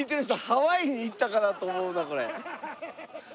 ハワイに行ったかなと思うなこれ。